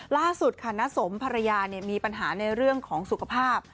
ล่าสุดค่ะน้าสมภรรยามีปัญหาในเรื่องของสุขภาพ